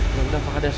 udah udah pak kadas